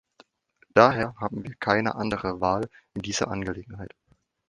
Daher haben wir keine andere Wahl in dieser Angelegenheit.